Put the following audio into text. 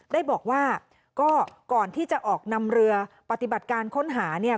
ได้บอกว่าก็ก่อนที่จะออกนำเรือปฏิบัติการค้นหาเนี่ย